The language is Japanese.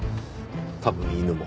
多分犬も。